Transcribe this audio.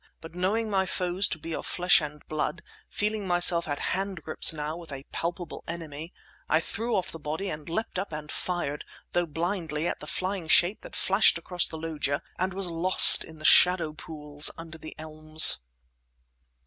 But, knowing my foes to be of flesh and blood, feeling myself at handgrips now with a palpable enemy, I threw off the body, leapt up and fired, though blindly, at the flying shape that flashed across the loggia—and was lost in the shadow pools under the elms.